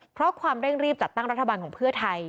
เพราะความเร่งรีบจัดตั้งรัฐบาลของเพื่อไทย